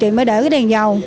chị mới để cái đèn dầu